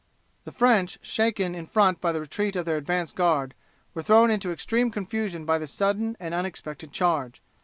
The French, shaken in front by the retreat of their advance guard, were thrown into extreme confusion by this sudden and unexpected charge.